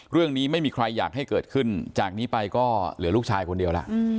ไม่มีใครอยากให้เกิดขึ้นจากนี้ไปก็เหลือลูกชายคนเดียวล่ะ